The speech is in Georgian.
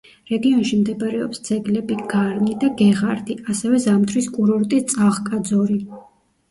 რეგიონში მდებარეობს ძეგლები გარნი და გეღარდი, ასევე ზამთრის კურორტი წაღკაძორი.